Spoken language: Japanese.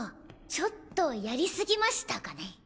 ちょっとやりすぎましたかね。